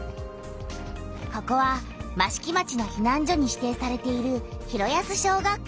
ここは益城町のひなん所に指定されている広安小学校。